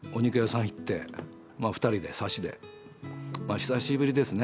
久しぶりですね。